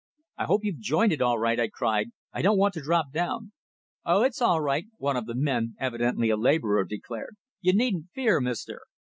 "I hope you've joined it all right," I cried. "I don't want to drop down!" "No, it's all right!" one of the men evidently a labourer declared. "You needn't fear, mister."